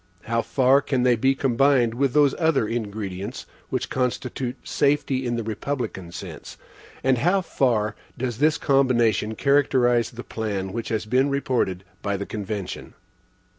How far can they be combined with those other ingredients which constitute safety in the republican sense? And how far does this combination characterize the plan which has been reported by the convention?